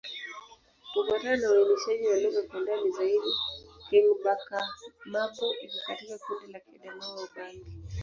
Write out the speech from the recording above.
Kufuatana na uainishaji wa lugha kwa ndani zaidi, Kingbaka-Ma'bo iko katika kundi la Kiadamawa-Ubangi.